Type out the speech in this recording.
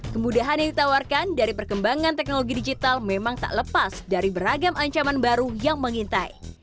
kemudahan yang ditawarkan dari perkembangan teknologi digital memang tak lepas dari beragam ancaman baru yang mengintai